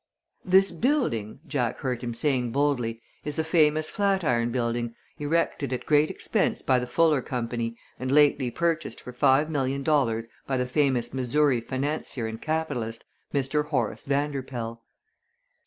"This building," Jack heard him saying boldly, "is the famous Flatiron Building, erected at great expense by the Fuller Company and lately purchased for five million dollars by the famous Missouri financier and capitalist, Mr. Horace Vanderpoel."